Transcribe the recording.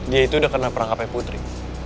dia itu udah kena perangkapnya putri